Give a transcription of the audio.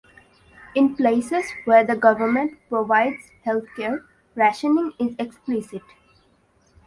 In places where the government provides healthcare rationing is explicit.